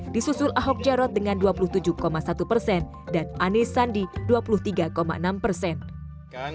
disusul ahok jarot dengan dua puluh tujuh satu persen dan anis sandi dua puluh tiga enam persen